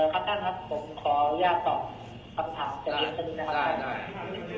ปัญหาเกี่ยวกับแบบส่วนสุดนะครับครับ